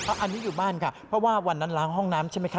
อันนี้อยู่บ้านค่ะเพราะว่าวันนั้นล้างห้องน้ำใช่ไหมคะ